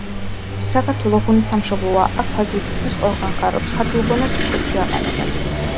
საქართველო ღვინის სამშობლოა, აქ ვაზი თითქმის ყველგან ხარობს, ქართულ ღვინოს ქვევრში აყენებენ.